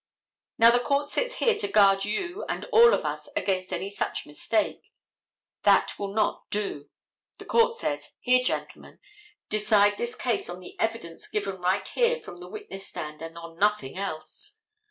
Now, the court sits here to guard you and all of us against any such mistake. That will not do. The court says: "Here, gentlemen, decide this case on the evidence given right here from the witness stand and on nothing else."